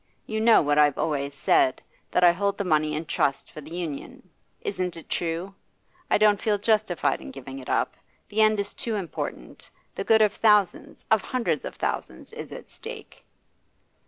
You know what I've always said, that I hold the money in trust for the Union. Isn't it true? I don't feel justified in giving it up. The end is too important. The good of thousands, of hundreds of thousands, is at stake.